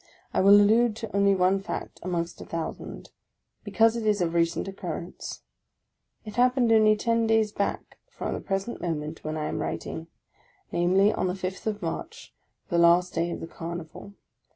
I will allude to only one fact, amongst a thousand, because it is of recent occurrence. It happened only ten days back from the present moment when I am writing: namely, on the 5th of March, the last day of the Carnival.